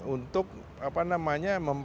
untuk apa namanya